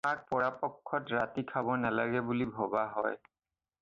শাক পৰাপক্ষত ৰাতি খাব নেলাগে বুলি ভবা হয়।